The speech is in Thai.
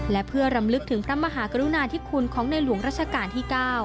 และเพื่อรำลึกถึงพระมหากรุณาธิคุณของในหลวงรัชกาลที่๙